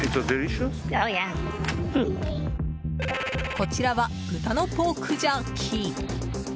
こちらは豚のポークジャーキー。